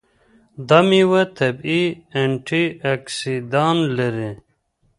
دا میوه طبیعي انټياکسیدان لري.